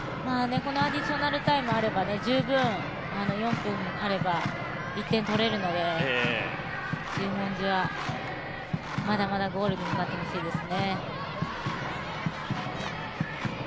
このアディショナルタイムあれば十分４分あれば１点取れるので十文字は、まだまだゴールに向かってほしいですね。